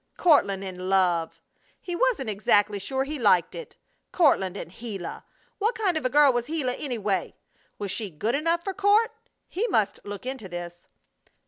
Courtland in love! He wasn't exactly sure he liked it. Courtland and Gila! What kind of a girl was Gila, anyway? Was she good enough for Court? He must look into this.